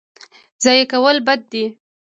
ضایع کول بد دی.